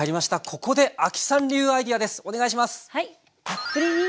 ここで亜希さん流アイデアです。